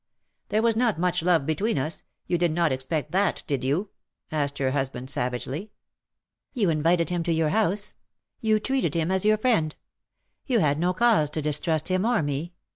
'''^ There was not much love between us. You did not expect that, did you ?" asked her husband savagely. ." You invited him to your house ; you treated u 2 292 him as your friend. You had no cause to distrust him or me.